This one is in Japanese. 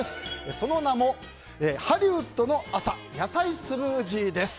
その名もハリウッドの朝野菜スムージーです。